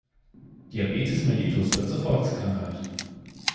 Diabetes mellitus wird zur Volkskrankheit.